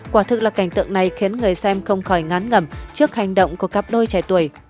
quả thực là cảnh tượng này khiến người xem không khỏi ngán ngẩm trước hành động của cặp đôi trẻ tuổi